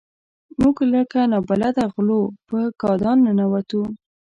موږ لکه نابلده غلو په کادان ننوتو.